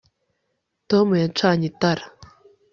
Tom yacanye itara